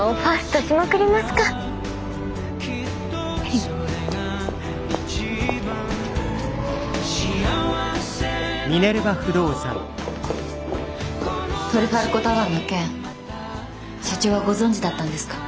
トレファルコタワーの件社長はご存じだったんですか？